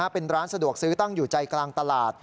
เป็นร้านสะดวกซื้อตั้งอยู่ใจกลางตลาด